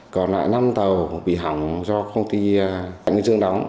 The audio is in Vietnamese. còn lại năm tàu bị hỏng do công ty nguyễn dương đóng